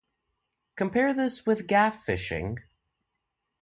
Compare this with gaff fishing.